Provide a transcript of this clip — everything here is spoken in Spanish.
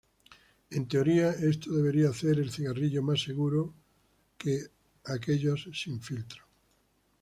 En teoría, esto debería hacer el cigarrillo "más seguro" que aquellos sin filtro.